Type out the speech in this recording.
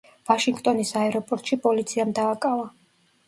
ვაშინგტონის აეროპორტში პოლიციამ დააკავა.